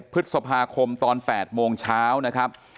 พฤษภาคมตอน๘โมงเช้านะครับ